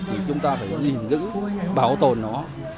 thì chúng ta phải nhìn giữ bảo tồn nó